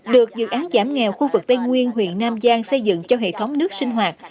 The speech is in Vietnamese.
được dự án giảm nghèo khu vực tây nguyên huyện nam giang xây dựng cho hệ thống nước sinh hoạt